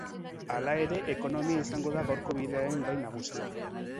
Hala ere, ekonomia izango da gaurko bileraren gai nagusia.